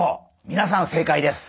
みなさん正解です。